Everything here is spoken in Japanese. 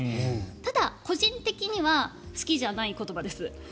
ただ、個人的には好きじゃない言葉です。